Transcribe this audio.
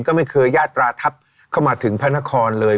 ก็ไม่เคยยาตราทัพเข้ามาถึงพระนครเลย